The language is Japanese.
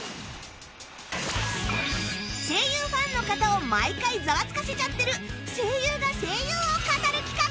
声優ファンの方を毎回ザワつかせちゃってる声優が声優を語る企画